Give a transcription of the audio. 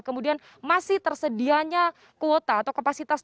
kemudian masih tersedianya kuota atau kapasitas